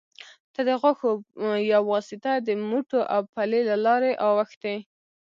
ته د غاښو يه واسطه د موټو او پلې لارې اوښتي